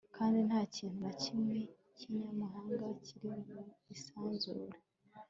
kandi nta kintu na kimwe kinyamahanga kiri mu isanzure